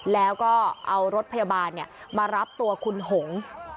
แล้วก็เอารถพยาบาลมารับตัวคุณหง